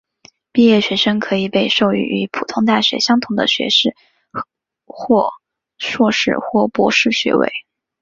毕业学生可以被授予与普通大学相同的学士或硕士或博士学位。